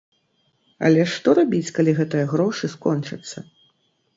Але што рабіць, калі гэтыя грошы скончацца?